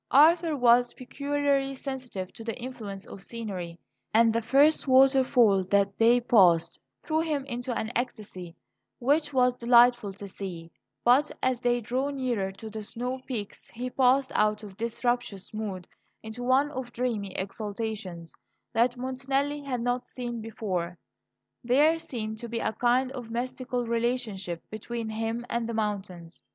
Arthur was peculiarly sensitive to the influence of scenery, and the first waterfall that they passed threw him into an ecstacy which was delightful to see; but as they drew nearer to the snow peaks he passed out of this rapturous mood into one of dreamy exaltation that Montanelli had not seen before. There seemed to be a kind of mystical relationship between him and the mountains.